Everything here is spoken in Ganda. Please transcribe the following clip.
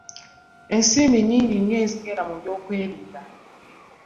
Ensimbi nnyngi nnyo ezigenda mu byokwerinda.